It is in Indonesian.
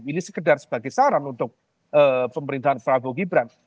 ini sekedar sebagai saran untuk pemerintahan prabowo gibran